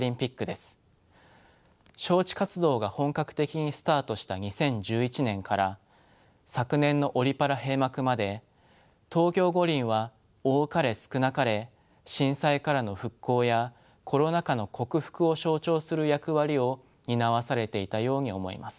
招致活動が本格的にスタートした２０１１年から昨年のオリ・パラ閉幕まで東京五輪は多かれ少なかれ「震災からの復興」や「コロナ禍の克服」を象徴する役割を担わされていたように思います。